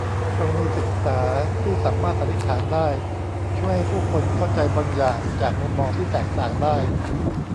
กรณีศึกษาที่สามารถสันนิษฐานได้ช่วยให้ผู้คนเข้าใจบางอย่างจากมุมมองที่แตกต่างได้